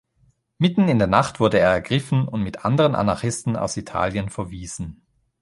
Mitten in der Nacht wurde er ergriffen und mit anderen Anarchisten aus Italien verwiesen.